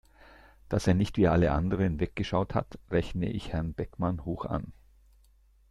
Dass er nicht wie alle anderen weggeschaut hat, rechne ich Herrn Beckmann hoch an.